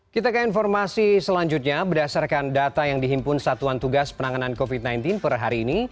kita ke informasi selanjutnya berdasarkan data yang dihimpun satuan tugas penanganan covid sembilan belas per hari ini